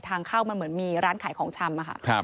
ทางเข้ามันเหมือนมีร้านขายของชำอะค่ะ